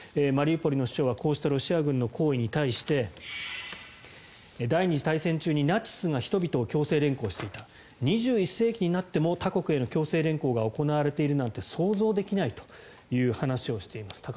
マリウポリの市長はこうしたロシア軍の行為に対して第２次大戦中にナチスが人々を強制連行していた２１世紀になっても他国への強制連行が行われているなんて想像できないという話をしています。